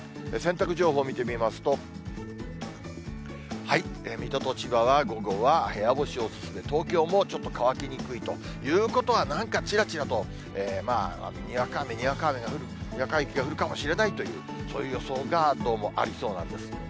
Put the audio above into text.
洗濯情報を見てみますと、水戸と千葉は午後は部屋干しお勧め、東京もちょっと乾きにくいということは、なんかちらちらとにわか雨、にわか雪が降るかもしれないという、そういう予想がどうもありそうなんです。